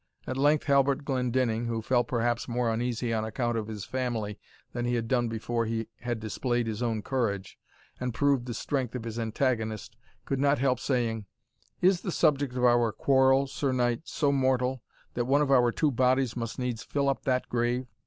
At length Halbert Glendinning, who felt perhaps more uneasy on account of his family than he had done before he had displayed his own courage, and proved the strength of his antagonist, could not help saying, "Is the subject of our quarrel, Sir Knight, so mortal, that one of our two bodies must needs fill up that grave?